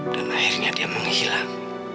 dan akhirnya dia menghilang